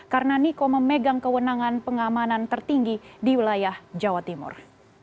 karena niko memegang kewenangan pengamanan tertinggi di wilayah jawa timur